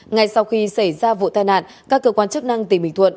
ngay sau khi xảy ra vụ tai nạn các cơ quan chức năng tỉnh bình thuận